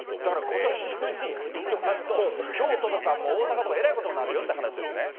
ことし中に行っとかんと、京都とか大阪とか、えらいことになるよという話ですね。